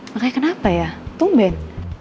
makanya kenapa ya tungben